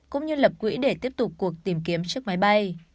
cũng như lập quỹ để tiếp tục cuộc tìm kiếm chiếc máy bay